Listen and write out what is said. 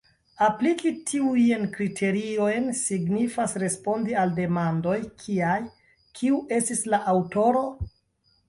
Apliki tiujn kriteriojn signifas respondi al demandoj kiaj: Kiu estis la aŭtoro?